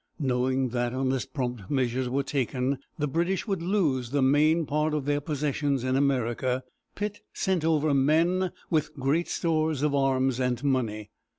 Knowing that, unless prompt measures were taken, the British would lose the main part of their possessions in America, Pitt sent over men with great stores of arms and money.